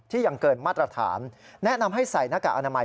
ยังเกินมาตรฐานแนะนำให้ใส่หน้ากากอนามัย